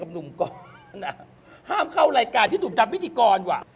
กับหนุ่มก็ห้ามเข้ารายการที่หนุ่มทำพิธีกร